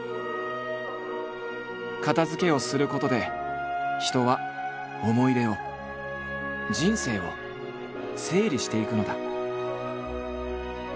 片づけをすることで人は思い出を人生を整理していくのだ。